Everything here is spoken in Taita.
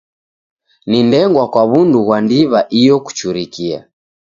Ni ndengwa kwa w'undu ghwa ndiw'a iyo kuchurikia.